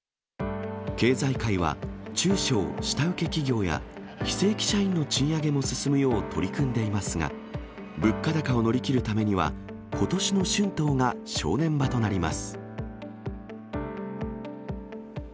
経済界は、中小下請け企業や非正規社員の賃上げも進むよう取り組んでいますが、物価高を乗り切るためにはことしの春闘が正念場となります。